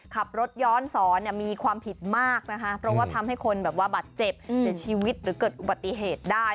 ขับรถย้อนสอนมีความผิดมากนะคะเพราะว่าทำให้คนแบบว่าบาดเจ็บเสียชีวิตหรือเกิดอุบัติเหตุได้